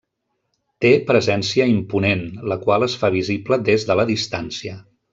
Té presència imponent, la qual es fa visible des de la distància.